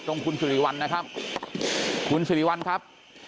ตรงคุณสิริวันครับ